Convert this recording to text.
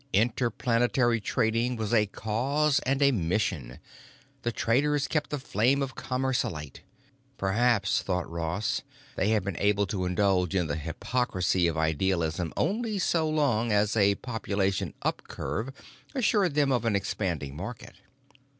Interplanetary trading was a cause and a mission; the traders kept the flame of commerce alight. Perhaps, thought Ross, they had been able to indulge in the hypocrisy of idealism only so long as a population upcurve assured them of an expanding market.